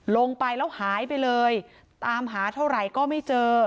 ลงไปแล้วหายไปเลยตามหาเท่าไหร่ก็ไม่เจอ